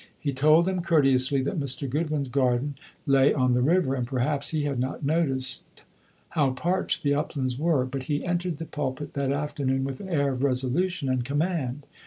He told them courteously that Mr. Goodwin's garden lay on the river, and perhaps he had not noticed how parched the uplands were; but he entered the pulpit that afternoon with an air of resolution and command.